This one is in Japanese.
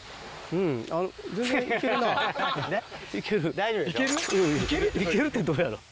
うんいけるってどうやろう？